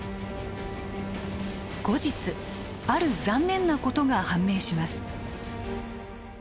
後日ある残念なことが判明します。